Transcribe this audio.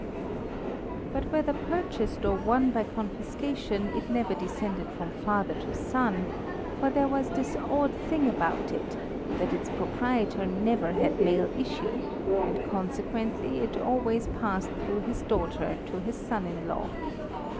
But whether purchased or won by confiscation it never descended from father to son, for there was this odd thing about it, that its proprietor never had male issue, and consequently it always passed through his daughter to his son in law.